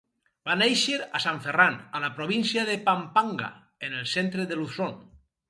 Va néixer a Sant Ferran, a la província de Pampanga, en el centre de Luzon.